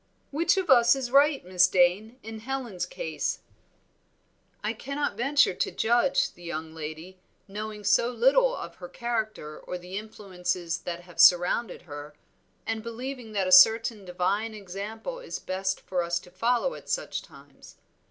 "Which of us is right, Miss Dane, in Helen's case?" "I cannot venture to judge the young lady, knowing so little of her character or the influences that have surrounded her, and believing that a certain divine example is best for us to follow at such times.